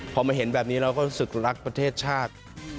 พอมาเห็นแบบนี้เราก็รู้สึกรักประเทศชาติ